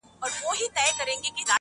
او د ارادې د شکنجې نه ازاد شي